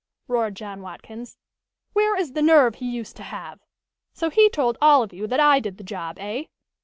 roared John Watkins. "Where is the nerve he used to have? So he told all of you that I did the job, eh?